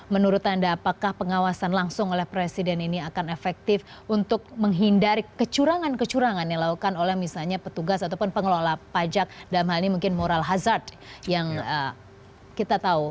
menurut anda apakah pengawasan langsung oleh presiden ini akan efektif untuk menghindari kecurangan kecurangan yang dilakukan oleh misalnya petugas ataupun pengelola pajak dalam hal ini mungkin moral hazard yang kita tahu